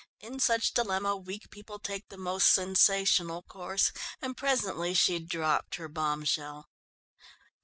In such dilemma, weak people take the most sensational course, and presently she dropped her bombshell.